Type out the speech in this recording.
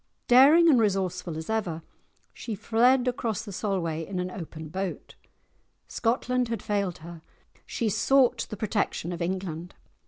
Daring and resourceful as ever, she fled across the Solway in an open boat; Scotland had failed her, she sought the protection of England.